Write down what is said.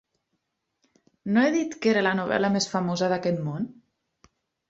No he dit que era la novel·la més famosa d'aquest món?